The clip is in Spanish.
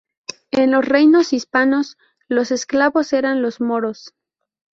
En los reinos hispanos los esclavos eran los moros.